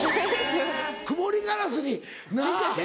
曇りガラスになぁ。